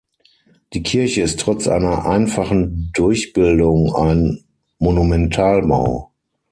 Die Kirche ist trotz einer einfachen Durchbildung ein Monumentalbau.